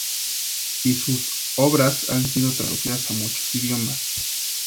Y sus obras han sido traducidas a muchos idiomas.